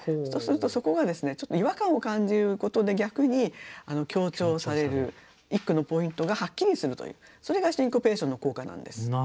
そうするとそこがですねちょっと違和感を感じることで逆に強調される一句のポイントがはっきりするというそれがシンコペーションの効果なんです。